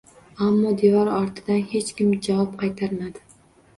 Ammo devor ortidan hech kim javob qaytarmadi.